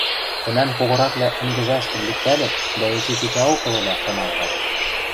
— тӹнӓм когораквлӓ ӹнгӹжӓштӹм лӱктӓлӹт дӓ, эче тетяок ылыда, шаналтат.